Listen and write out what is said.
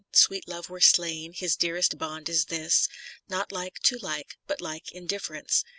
Sweet Love were slain : his dearest bond is this, Not like to like, but like in difference.